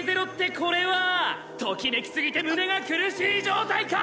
これはときめき過ぎて胸が苦しい状態か！